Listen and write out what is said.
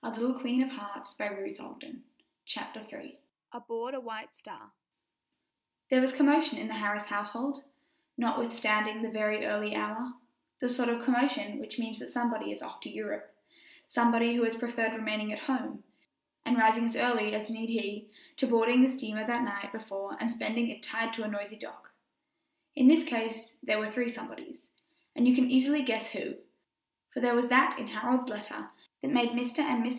CHAPTER III. ABOARD A WHITE STAR. [Illustration: 0026] There was commotion in the Harris household, notwithstanding the very early hour the sort of commotion which means that somebody is off for Europe, somebody who has preferred remaining at home, and rising as early as need he, to boarding the steamer the night before and spending it tied to a noisy dock. In this case there were three somebodies, and you can easily guess who; for there was that in Harold's letter that had made Mr. and Mis.